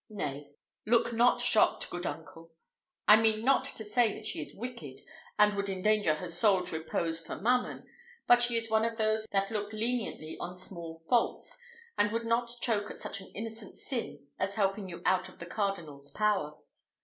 Nay, look not shocked, good uncle. I mean not to say that she is wicked, and would endanger her soul's repose for mammon; but she is one of those that look leniently on small faults, and would not choke at such an innocent sin as helping you out of the cardinal's power.